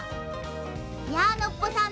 いやノッポさん